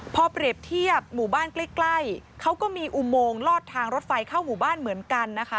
พอเปรียบเทียบหมู่บ้านใกล้เขาก็มีอุโมงลอดทางรถไฟเข้าหมู่บ้านเหมือนกันนะคะ